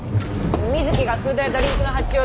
水木がフードやドリンクの発注を独占。